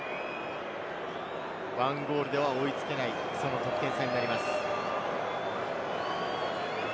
１ゴールでは追いつけない点差になります。